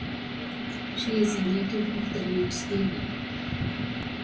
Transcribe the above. She is a native of the Leeds area.